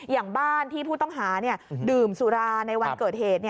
อย่างบ้านที่ผู้ต้องหาดื่มสุราในวันเกิดเหตุ